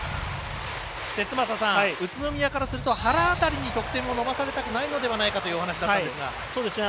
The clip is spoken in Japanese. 節政さん、宇都宮からすると原辺りに得点を伸ばされたくないのではないかというお話だったんですが。